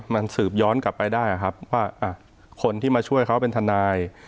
มันสืบย้อนกลับไปได้ครับว่าคนที่มาช่วยเขาเป็นทนาย